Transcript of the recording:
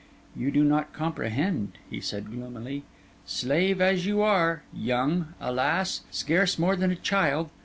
'You do not comprehend,' he said gloomily. 'Slave, as you are, young—alas! scarce more than child!